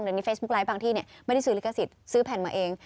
ในเฟซบุ๊คไลฟ์บางที่ไม่ได้ซื้อลิขสิทธิ์ซื้อแผ่นมาเอง